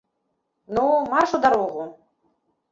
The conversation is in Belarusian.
Ну, марш у дарогу!